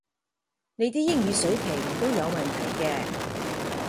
你啲英語水平都有問題嘅